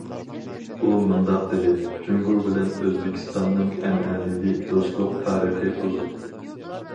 ئۇ مۇنداق دېدى: جۇڭگو بىلەن ئۆزبېكىستاننىڭ ئەنئەنىۋى دوستلۇق تارىخ ئۇزۇن.